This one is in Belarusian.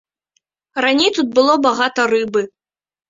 Раней тут было багата рыбы.